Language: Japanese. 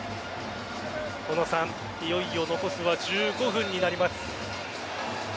いよいよ残すは１５分になります。